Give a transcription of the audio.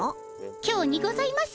今日にございますか？